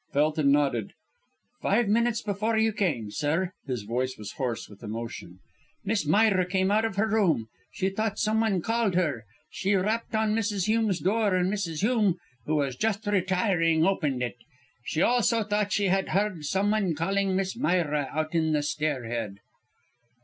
Felton nodded. "Five minutes before you came, sir." His voice was hoarse with emotion. "Miss Myra came out of her room. She thought someone called her. She rapped on Mrs. Hume's door, and Mrs. Hume, who was just retiring, opened it. She also thought she had heard someone calling Miss Myra out on the stairhead."